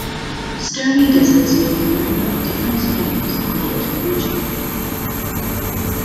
Stony deserts may be known by different names according to the region.